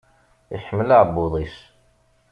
Iḥemmel aɛebbuḍ-is.